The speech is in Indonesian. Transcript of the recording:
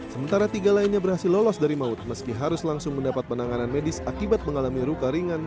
sementara tiga lainnya berhasil lolos dari maut meski harus langsung mendapat penanganan medis akibat mengalami luka ringan